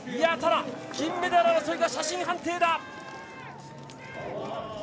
ただ、金メダル争いが写真判定だ！